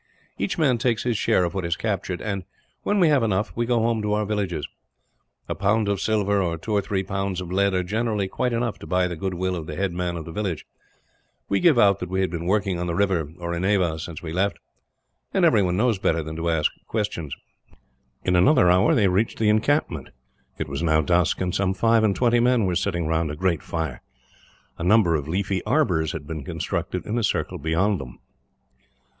"Each man takes his share of what is captured and, when we have enough, we go home to our villages. A pound of silver, or two or three pounds of lead, are generally quite enough to buy the goodwill of the head man of the village. We give out that we have been working on the river, or in Ava, since we left; and everyone knows better than to ask questions." In another hour, they reached the encampment. It was now dusk, and some five and twenty men were sitting round a great fire. A number of leafy arbours had been constructed in a circle beyond them.